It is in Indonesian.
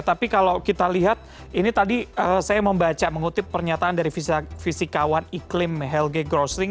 tapi kalau kita lihat ini tadi saya membaca mengutip pernyataan dari fisikawan iklim helgai grossing